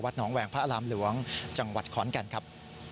หนองแหวงพระอารามหลวงจังหวัดขอนแก่นครับ